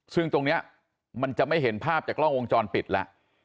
ซึ่งตรงนี้มันจะไม่เห็นภาพจากกล้องวงจรปิดแล้ว